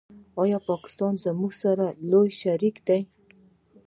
آیا پاکستان زموږ لوی شریک دی؟